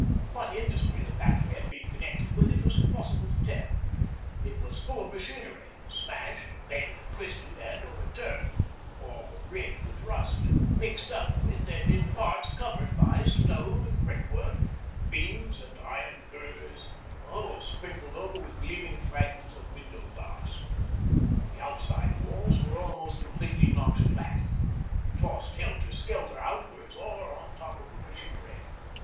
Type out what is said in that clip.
What industry the factory had been concerned with it was impossible to tell. It was full of machinery, smashed, bent, twisted, and overturned, all red with rust, mixed up with and in parts covered by stone and brickwork, beams and iron girders, the whole sprinkled over with gleaming fragments of window glass The outside walls were almost completely knocked flat, tossed helter skelter outwards or on top of the machinery.